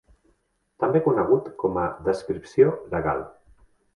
També conegut com a "Descripció Legal".